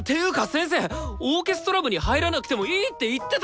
先生「オーケストラ部に入らなくてもいい」って言ってたじゃん！